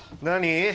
何？